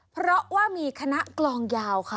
เพราะว่ามีคณะกลองยาวค่ะ